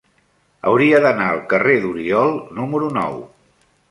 Hauria d'anar al carrer d'Oriol número nou.